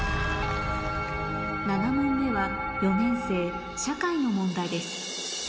７問目は４年生社会の問題です